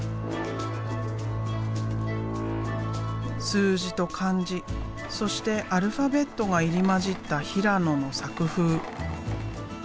数字と漢字そしてアルファベットが入り交じった平野の作風。